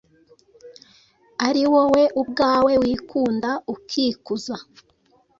ari wowe ubwawe wikunda ukikuza.